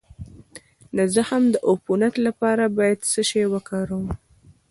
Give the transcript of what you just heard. د زخم د عفونت لپاره باید څه شی وکاروم؟